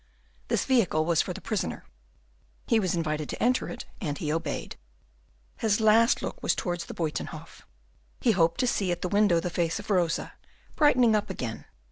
This vehicle was for the prisoner. He was invited to enter it, and he obeyed. His last look was towards the Buytenhof. He hoped to see at the window the face of Rosa, brightening up again.